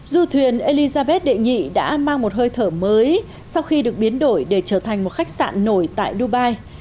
du thuyền elizabeth đệ nhị đã mang một hơi thở mới sau khi được biến đổi để trở thành một khách sạn nổi tại dubai